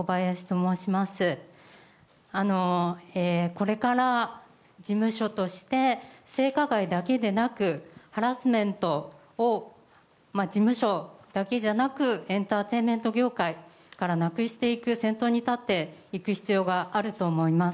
これから事務所として性加害だけでなくハラスメントを事務所だけじゃなくエンターテインメント業界からなくしていく先頭に立っていく必要があると思います。